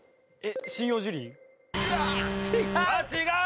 違う！